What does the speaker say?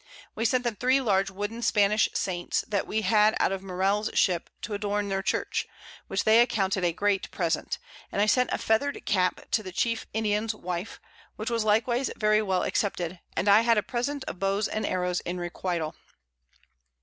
We sent them 3 large Wooden Spanish Saints, that we had out of Morell's Ship, to adorn their Church, which they accounted a great Present; and I sent a feather'd Cap to the chief Indian's Wife, which was likewise very well accepted, and I had a Present of Bows and Arrows in requital.